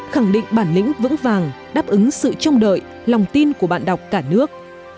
khẳng định bản lĩnh vững vàng đáp ứng sự trông đợi lòng tin của bạn đọc cả nước